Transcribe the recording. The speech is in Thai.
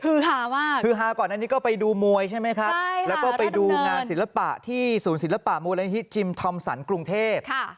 คือฮามากคือฮาก่อนอันนี้ก็ไปดูมวยใช่ไหมครับแล้วก็ไปดูงานศิลปะที่ศูนย์ศิลปะมูลนิธิจิมทอมสรรกรุงเทพ